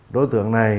đối tượng này